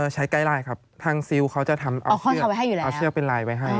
ใช้ใกล้ลายครับทางซิลเขาจะทำเอาให้อยู่แล้วเอาเชือกเป็นลายไว้ให้